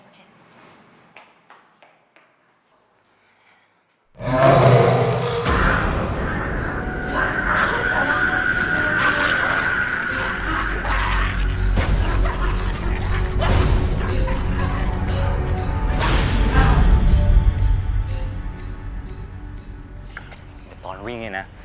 แจน